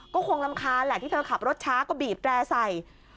ก็คงรำคาญแหละที่เธอขับรถช้าก็บีบแตร่ใส่